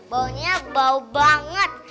baunya bau banget